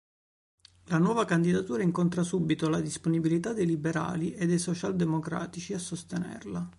La nuova candidatura incontra subito la disponibilità dei liberali e dei socialdemocratici a sostenerla.